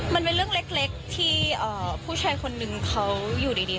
มันเป็นเรื่องเล็กที่ผู้ชายคนนึงเขาอยู่ดี